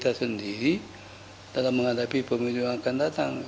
bahwa partai kita sendiri dalam menghadapi peminat yang akan datang